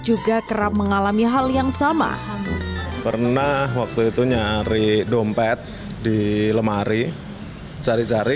juga kerap mengalami hal yang sama pernah waktu itu nyari dompet di lemari cari cari